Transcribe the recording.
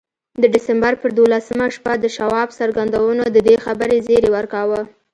د ډسمبر پر دولسمه شپه د شواب څرګندونو د دې خبرې زيري ورکاوه.